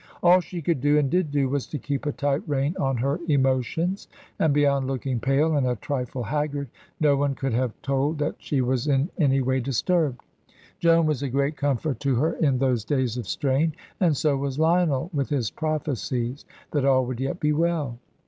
All she could do, and did do, was to keep a tight rein on her emotions, and beyond looking pale, and a trifle haggard, no one could have told that she was in any way disturbed. Joan was a great comfort to her in those days of strain, and so was Lionel, with his prophecies that all would yet be well.